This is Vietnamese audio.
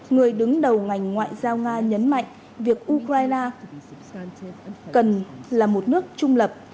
người đứng đầu ngành ngoại giao nga nhấn mạnh việc ukraine cần là một nước trung lập